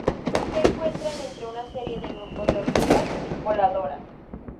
Se encuentran entre una serie de grupos de hormigas voladoras.